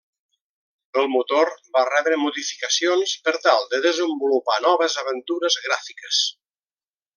El motor va rebre modificacions per tal de desenvolupar noves aventures gràfiques.